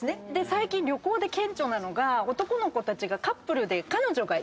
最近旅行で顕著なのが男の子たちがカップルで。